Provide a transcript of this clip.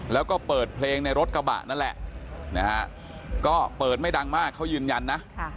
แล้วก็เปิดเพลงในรถกระบะนั่นแหละนะฮะก็เปิดไม่ดังมากเขายืนยันนะ